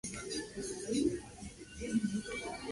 En centro cuenta, con paradas para Taxi y paradas de autobús.